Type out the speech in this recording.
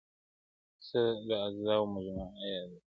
څه د اضدادو مجموعه یې د بلا لوري~